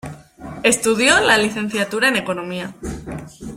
Estudió la licenciatura en Economía.